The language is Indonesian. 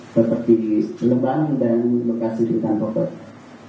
seperti lebam dan lokasi di tanpa fotonya